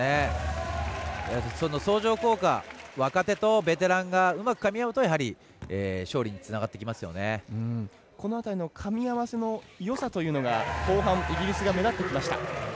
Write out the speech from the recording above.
相乗効果、若手とベテランがうまくかみ合うとやはり勝利にこの辺りのかみ合わせのよさというのが後半イギリスが目立ってきました。